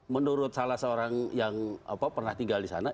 menurut salah seorang yang pernah tinggal disana